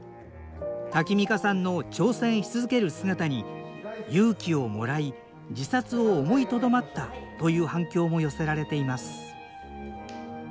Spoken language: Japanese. タキミカさんの挑戦し続ける姿に「勇気をもらい自殺を思いとどまった」という反響も寄せられています